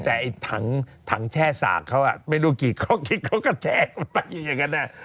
แต่ไอ้ถังแช่สากเขาไม่รู้กี่ข้อคิดเขาก็แช่ออกไปอย่างนั้น